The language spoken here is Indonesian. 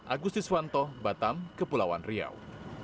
agustus wanto batam kepulauan riau